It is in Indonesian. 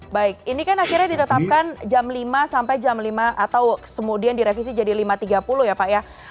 baik ini kan akhirnya ditetapkan jam lima sampai jam lima atau kemudian direvisi jadi lima tiga puluh ya pak ya